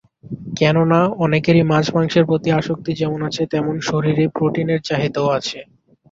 কেননা অনেকেরই মাছ-মাংসের প্রতি আসক্তি যেমন আছে তেমনি শরীরে প্রোটিনের চাহিদাও আছে।